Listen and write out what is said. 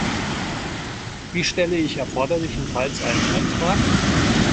Wie stelle ich erforderlichenfalls einen Antrag?